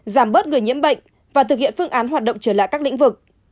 giảm bớt người nhiễm bệnh và thực hiện phương án hoạt động trở lại các lĩnh vực